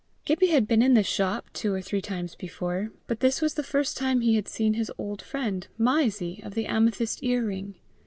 Gibbie had been in the shop two or three times before, but this was the first time he had seen his old friend, Mysie, of the amethyst ear ring.